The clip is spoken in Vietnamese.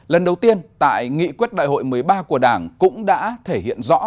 lần đầu tiên tại nghị quyết đại hội một mươi ba của đảng cũng đã thể hiện rõ